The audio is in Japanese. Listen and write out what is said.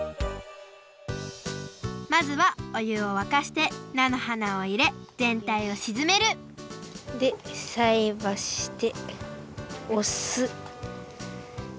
まずはおゆをわかして菜の花をいれぜんたいをしずめるでさいばしでおす。